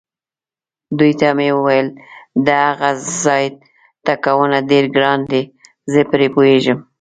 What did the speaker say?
دوی ته مې وویل: د هغه ځای ټکټونه ډېر ګران دي، زه پرې پوهېږم.